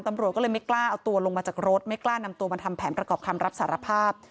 ตำรวจก็เลยไม่กล้าเอาตัวลงมาจากรถไม่กล้านำตัวมาทำแผนประกอบคำรับสารภาพ